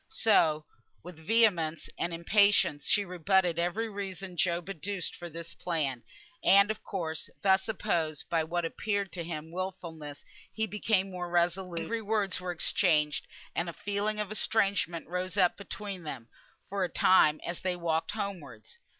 So with vehemence and impatience she rebutted every reason Job adduced for his plan; and of course, thus opposed, by what appeared to him wilfulness, he became more resolute, and angry words were exchanged, and a feeling of estrangement rose up between them, for a time, as they walked homewards.